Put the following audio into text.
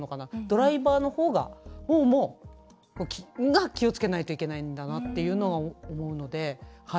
ドライバーのほうが気をつけないといけないんだなっていうのは思うので。